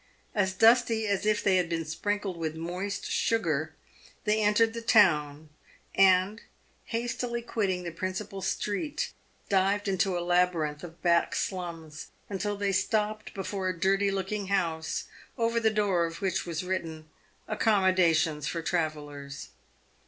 As dusty as if they had been sprinkled with moist sugar, they entered the town, and, hastily quitting the principal street, dived into a labyrinth of back slums until they stopped before a dirty looking house, over the door of which was written " Accommoda tion for Travellers."